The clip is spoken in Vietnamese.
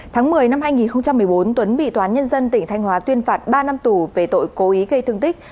tháng một mươi năm hai nghìn một mươi bốn tuấn bị toán nhân dân tỉnh thanh hóa tuyên phạt ba năm tù về tội cố ý gây thương tích